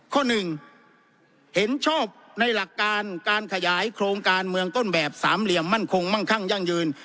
ข้อหนึ่งเห็นชอบในหลักการการขยายโครงการเมืองต้นแบบสามเหลี่ยมมั่นคงมั่งคั่งยั่งยืน